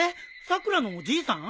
さくらのおじいさん？